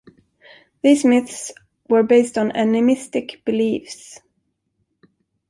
These myths were based on animistic beliefs.